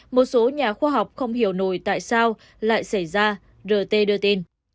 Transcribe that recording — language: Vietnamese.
một số nhà khoa học không hiểu nổi tại sao lại xảy ra rt đưa tin